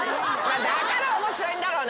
だから面白いんだろうね。